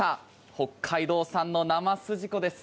北海道産の生すじこです。